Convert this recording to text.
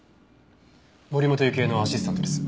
森本雪絵のアシスタントです。